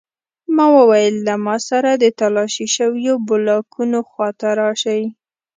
ما وویل له ما سره د تالاشي شویو بلاکونو خواته راشئ